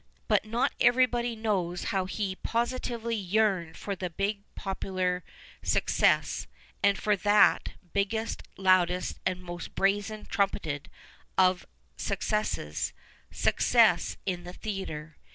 But not everybody knows how he positively yearned for the big pojiular success, and for that biggest, loudest, most brazen trumpeted of successes, success in the theatre.